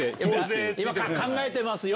今考えてますよ！